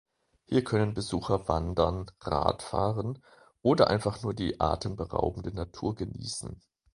Hier können Besucher wandern, radfahren oder einfach nur die atemberaubende Natur genießen.